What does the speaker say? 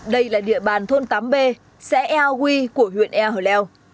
đây là địa bàn thôn tám b xã ea huy của huyện ea hồi leo